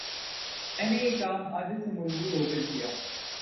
میں نے یہ کام عادت سے مجبور ہوکرکی